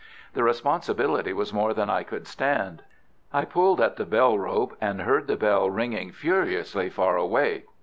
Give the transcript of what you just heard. The responsibility was more than I could stand. I pulled at the bell rope, and heard the bell ringing furiously far away.